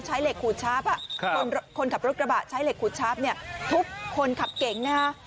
ใช้เหล็กขูดชาร์ฟคนขับรถกระบะใช้เหล็กขูดชาร์ฟเนี่ยทุบคนขับเก๋งนะฮะ